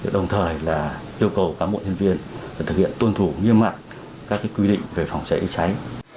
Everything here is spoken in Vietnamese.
đồng thời yêu cầu các bộ nhân viên thực hiện tuân thủ nghiêm mạng các quy định về phòng cháy cháy